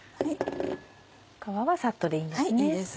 皮はサッとでいいんですね。